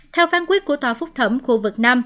theo phán quyết của tòa phúc thẩm khu vực nam